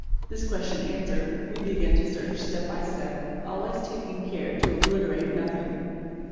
This question answered, we begin to search step by step, always taking care to obliterate nothing.